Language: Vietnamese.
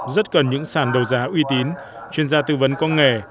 rất cần những sản đấu giá uy tín chuyên gia tư vấn công nghệ